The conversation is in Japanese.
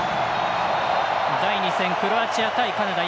第２戦、クロアチア対カナダ。